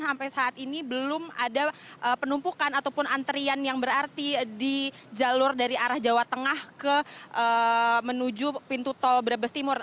sampai saat ini belum ada penumpukan ataupun antrian yang berarti di jalur dari arah jawa tengah menuju pintu tol brebes timur